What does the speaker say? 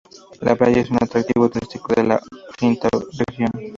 La playa es un atractivo turístico de la V Región.